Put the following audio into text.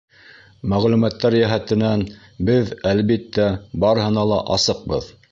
Мәғлүмәттәр йәһәтенән беҙ, әлбиттә, барыһына ла асыҡбыҙ.